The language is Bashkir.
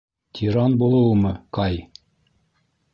Тиран булыуымы, Кай?